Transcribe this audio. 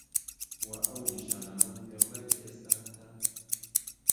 وە ئەو نیشانانەم پێ بلێ کە ئێستا هەتە؟